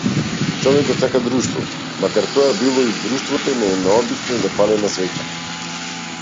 Човекот сака друштво, макар тоа било и друштвото на една обична запалена свеќа.